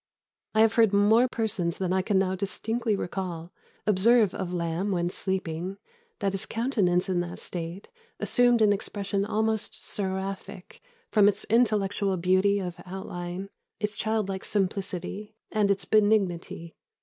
I have heard more persons than I can now distinctly recall, observe of Lamb when sleeping, that his countenance in that state assumed an expression almost seraphic, from its intellectual beauty of outline, its childlike simplicity, and its benignity.